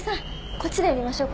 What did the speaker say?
こっちでやりましょう。